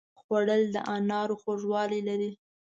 خوړل د انارو خوږوالی لري